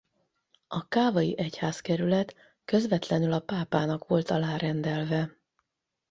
A cavai egyházkerület közvetlenül a pápának volt alárendelve.